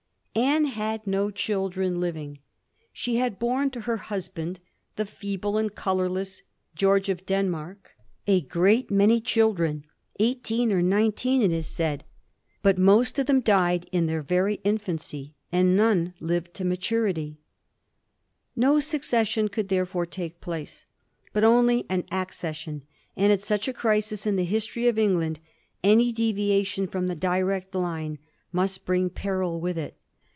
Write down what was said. Anne had no children living ; she had borne to her husband, the feeble and colourless George of Denmark, a great many children, eighteen or niueteen it is said, but B 2 Digiti zed by Google 4 A HISTORY OF THE FOUR GEORGES. ch. i. most of them died in their very in&ncy, and none lived to maturity. No succession could therefore take place, but only an accession, and at such a crisis in the history of England any deviation from the direct Une must bring peril with it.